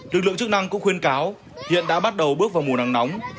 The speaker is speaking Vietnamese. lực lượng chức năng cũng khuyên cáo hiện đã bắt đầu bước vào mùa nắng nóng